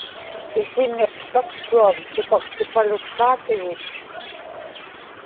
isiniqłaktuam tupaktipalukkaatigut